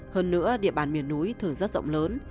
hơn nữa địa bàn miền núi thường rất rộng lớn